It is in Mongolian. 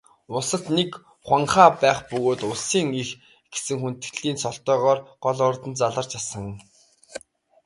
Улсад нэг хуанху байх бөгөөд Улсын эх гэсэн хүндэтгэлийн цолтойгоор гол ордонд заларч асан.